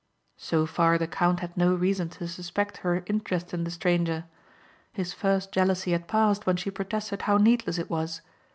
So far the count had no reason to suspect her interest in the stranger. His first jealousy had passed when she protested how needless it was.